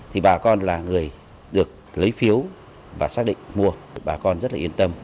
thì bà con là người được lấy phiếu và xác định mua bà con rất là yên tâm